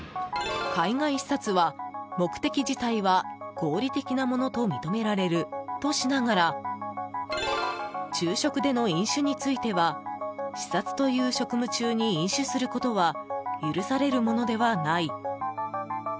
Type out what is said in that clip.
海外視察は目的自体は合理的なものと認められるとしながら昼食での飲酒については視察という職務中に飲酒することは許されるものではない。